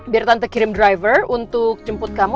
biar tante kirim driver untuk jemput kamu